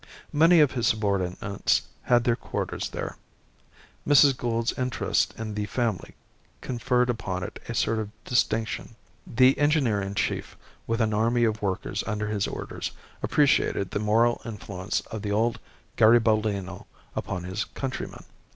Many of his subordinates had their quarters there. Mrs. Gould's interest in the family conferred upon it a sort of distinction. The engineer in chief, with an army of workers under his orders, appreciated the moral influence of the old Garibaldino upon his countrymen.